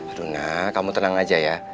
aruna kamu tenang aja ya